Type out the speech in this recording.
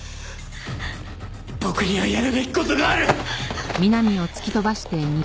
僕にはやるべき事がある！